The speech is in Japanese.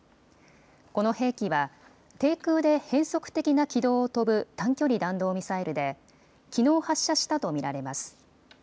この兵器は、低空で変則的な軌道を飛ぶ短距離弾道ミサイルできのう発射したと見られます。